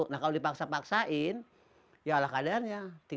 nah kalau dipaksa paksain ya alah keadaannya